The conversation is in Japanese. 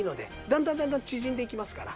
だんだんだんだん縮んでいきますから。